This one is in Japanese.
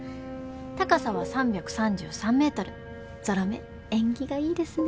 高さは３３３ｍぞろ目縁起がいいですね。